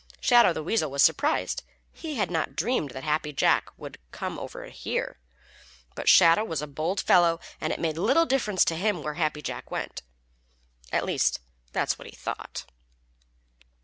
Shadow the Weasel was surprised. He had not dreamed that Happy Jack would come over here. But Shadow is a bold fellow, and it made little difference to him where Happy Jack went. At least, that is what he thought.